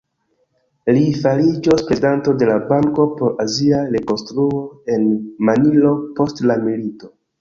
Li fariĝos prezidanto de la Banko por Azia Rekonstruo en Manilo post la milito.